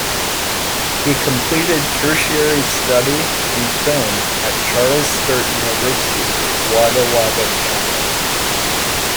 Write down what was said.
He completed tertiary study in film at Charles Sturt University, Wagga Wagga Campus.